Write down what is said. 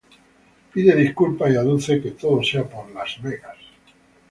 Pide disculpas y aduce que todo sea por Las Vegas.